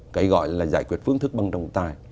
cái gọi là giải quyết phương thức bằng trọng tài